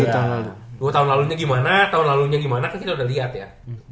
dua tahun lalunya gimana tahun lalunya gimana kan kita udah lihat ya